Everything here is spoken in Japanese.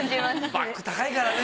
バッグ高いからね。